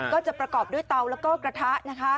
ก็จะประกอบด้วยเตาแล้วก็กระทะนะคะ